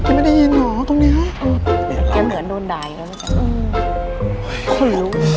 ยังไม่ได้ยินเหรอตรงนี้ยังเหมือนโดนดายอีกแล้วนะจ๊ะอืม